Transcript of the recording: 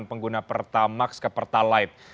pengguna pertamax ke pertalite